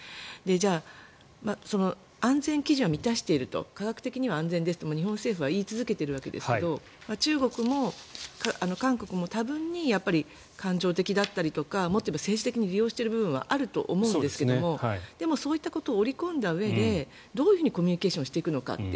じゃあ安全基準を満たしていると科学的には安全ですと日本政府は言い続けていますが中国も韓国も多分に感情的だったりとかもっと言えば政治的に利用している部分はあると思うんですけどでもそういったことを織り込んだうえでどうコミュニケーションしていくのかと。